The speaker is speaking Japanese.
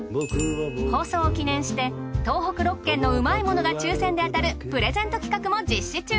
放送を記念して東北６県のうまいものが抽選で当たるプレゼント企画も実施中。